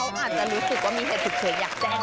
เขาอาจจะรู้สึกว่ามีเหตุฉุกเฉินอยากแจ้ง